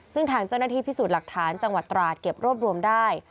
ซึ่งทางเจ้าหน้าที่พิสูจน์หลักฐานจังหวัดตราดเก็บรวบรวมได้